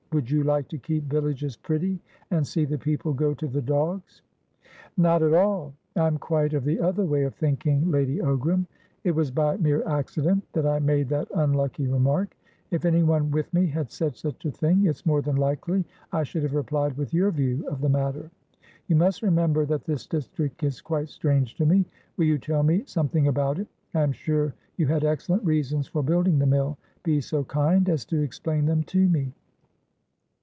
Would you like to keep villages pretty, and see the people go to the dogs?" "Not at all. I'm quite of the other way of thinking, Lady Ogram. It was by mere accident that I made that unlucky remark. If anyone with me had said such a thing, it's more than likely I should have replied with your view of the matter. You must remember that this district is quite strange to me. Will you tell me something about it? I am sure you had excellent reasons for building the mill; be so kind as to explain them to me."